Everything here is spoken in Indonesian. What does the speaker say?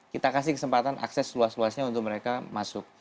kita kasih kesempatan akses luas luasnya untuk mereka masuk